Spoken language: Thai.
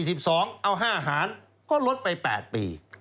๑ชั้น๔๒เอา๕หารก็ลดไป๘ปี